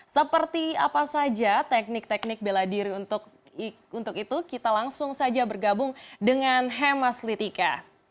seperti apa saja teknik teknik bela diri untuk itu kita langsung saja bergabung dengan hemas litika